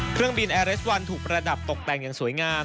เครื่องบินแอร์เรสวันถูกประดับตกแต่งอย่างสวยงาม